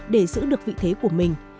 để giữ được vị thế của mình